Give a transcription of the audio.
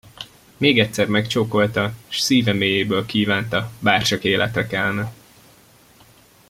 Még egyszer megcsókolta, s szíve mélyéből kívánta, bárcsak életre kelne.